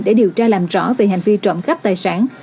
để điều tra làm rõ về hành vi trộm cắp tài sản